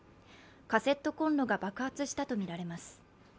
カセットこんろが爆発したとみられます。